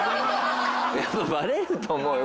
やっぱバレると思うよ。